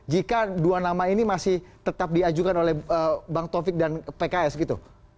jika dua nama ini masih tetap diajukan oleh bang taufik dan pks gitu